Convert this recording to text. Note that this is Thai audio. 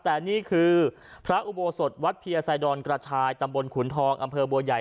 แต่นี่คือพระอุโบสถวัดเพียไซดอนกระชายตำบลขุนทองอำเภอบัวใหญ่